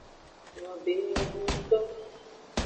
Nglobe enyo hunnuto.